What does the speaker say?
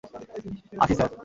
আসি, স্যার।